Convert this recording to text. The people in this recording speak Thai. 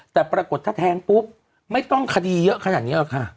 แต่ปรากฏถ้าแทงปุ๊บไม่ต้องคดีเยอะขนาดนี้หรอกค่ะ